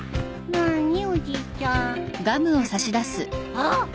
あっ！